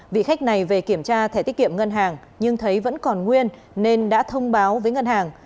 vị khách này về kiểm tra thẻ tiết kiệm ngân hàng nhưng thấy vẫn còn nguyên nên đã thông báo với ngân hàng